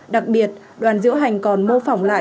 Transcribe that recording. đặc biệt đoàn diễu hành còn mô phỏng lại